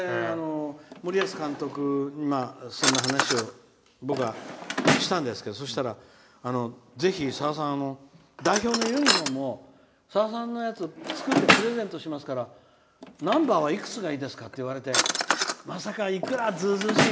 森保監督にそんな話を僕がしたんですけどそしたら、ぜひ、さださん代表のユニフォームをさださんのやつ作ってプレゼントしますからナンバーはいくつがいいですかって言われてまさかいくらずうずうしい